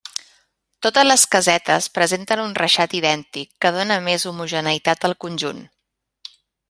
Totes les casetes presenten un reixat idèntic que dóna més homogeneïtat al conjunt.